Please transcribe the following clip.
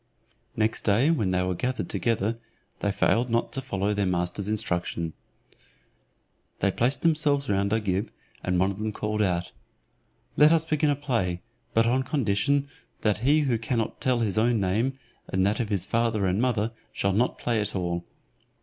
Next day when they were gathered together, they failed not to follow their master's instructions. They placed themselves round Agib, and one of them called out, "Let us begin a play, but on condition that he who cannot tell his own name, and that of his father and mother, shall not play at all."